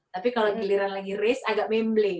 tapi kalau giliran lagi race agak memble